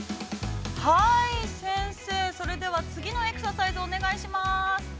◆先生、それでは、次のエクササイズをお願いします。